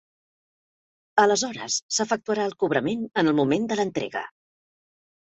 Aleshores s'efectuarà el cobrament en el moment de l'entrega.